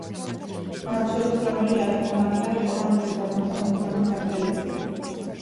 მათ შორის რომელი არ იყო მართალი, ყველამ იცოდა, მაგრამ ერთმანეთს აბრალებდნენ.